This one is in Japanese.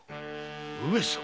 上様！？